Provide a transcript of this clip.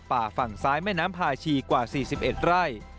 ป่าฝั่งซ้ายแม่น้ำพาชีกว่า๔๑ไร่